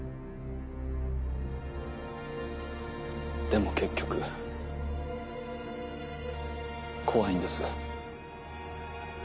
でも結局怖いんです。